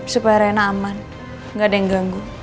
supaya rena aman nggak ada yang ganggu